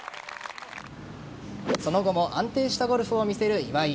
その後も安定したゴルフを見せる岩井。